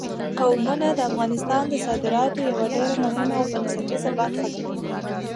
قومونه د افغانستان د صادراتو یوه ډېره مهمه او بنسټیزه برخه ده.